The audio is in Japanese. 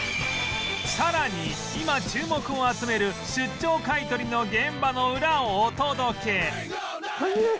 さらに今注目を集める出張買取の現場のウラをお届け